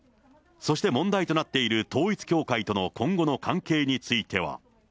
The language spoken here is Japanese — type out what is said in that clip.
そして問題となっている統一教会との今後の関係については。